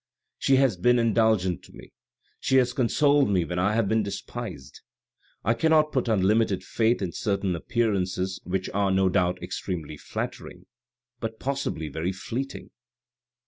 She has been indulgent to me ; she has consoled me when I have been despised. I cannot put unlimited faith in certain appearances which are, no doubt, extremely flattering, but possibly very fleeting."